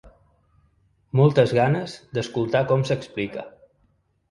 Moltes ganes d’escoltar com s’explica.